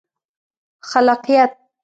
خلاقیت